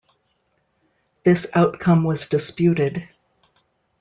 This outcome was disputed.